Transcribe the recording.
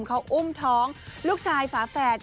เขาอุ้มท้องลูกชายฝาแฝด